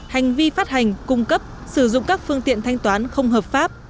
hành vi phát hành cung cấp sử dụng các phương tiện thanh toán không hợp pháp